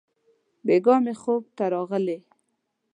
بېګاه مي خوب ته راغلې!